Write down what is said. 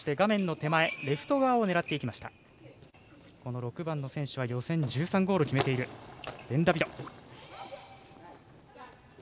６番の選手は予選１３ゴール決めているベンダビド。